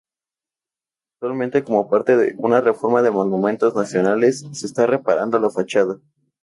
Actualmente como parte de una reforma de Monumentos nacionales se está reparando la Fachada.